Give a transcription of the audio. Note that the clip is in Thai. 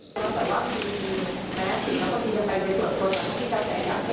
ที่ก็จะอย่างนี้หรือเปล่า